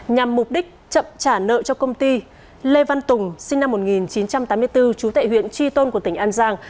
nhằm mục đích chậm trả nợ cho công ty lê văn tùng sinh năm một nghìn chín trăm tám mươi bốn trú tại huyện tri tôn của tỉnh an giang